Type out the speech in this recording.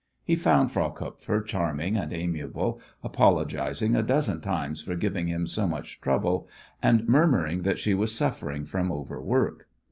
He found Frau Kupfer charming and amiable, apologizing a dozen times for giving him so much trouble, and murmuring that she was suffering from overwork.